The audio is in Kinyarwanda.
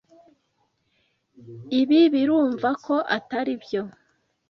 Ibi birumva ko atari byo?